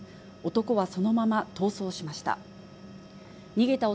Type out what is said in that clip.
男はそのまま逃走しました。